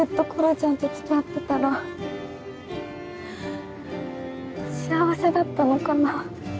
ちゃんと付き合ってたら幸せだったのかな？